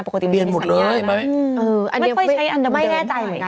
เปลี่ยนหมดเลยไม่ค่อยใช้อันดับเดิม